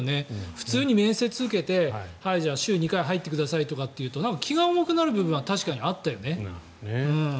普通に面接受けて週２回入ってくださいとなるとなんか気が重くなる部分は確かにあったよね。